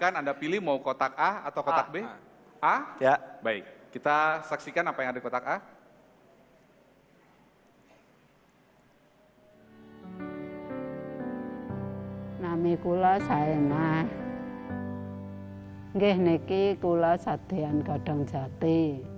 nama saya neki saya sedang berjati